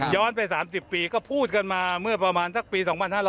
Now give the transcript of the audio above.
ไป๓๐ปีก็พูดกันมาเมื่อประมาณสักปี๒๕๕๙